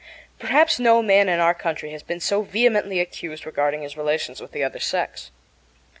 Perhaps no man in our country has been so vehemently accused regarding his relations with the other sex.